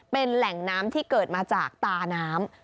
เป็นแหล่งน้ำที่เกิดมาจากตาน้ำ